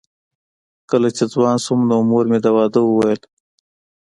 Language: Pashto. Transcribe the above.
کله چې ځوان شوم نو مور مې د واده وویل